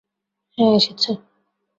হ্যাঁ, এসেছে।